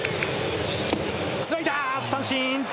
スライダー、三振。